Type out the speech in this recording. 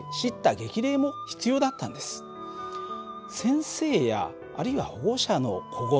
先生やあるいは保護者の小言